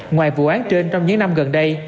ngoài vụ án trên trong những năm gần đây